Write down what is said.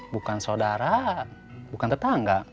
bukan saudara bukan tetangga